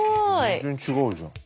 全然違うじゃん。